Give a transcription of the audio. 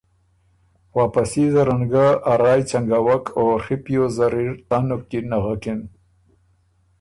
واپسي زرن ګۀ ا رایٛ ځنګوک او ڒی پیوز زر اِر تنُک کی نغکِن۔